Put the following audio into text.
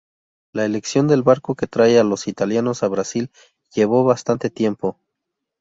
La elección del barco que trae a los italianos a Brasil llevó bastante tiempo.